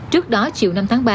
trước đó chiều năm tháng ba